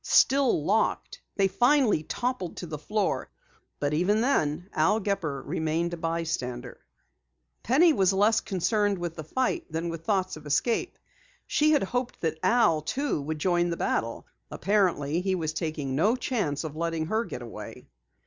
Still locked, they finally toppled to the floor, but even then Al Gepper remained a bystander. Penny was less concerned with the fight than with thoughts of escape. She had hoped that Al, too, would join the battle. Apparently, he was taking no chance of letting her get away.